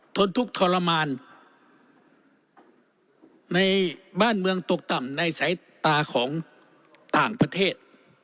ทนทุกข์ทรมานในบ้านเมืองตกต่ำในสายตาของต่างประเทศ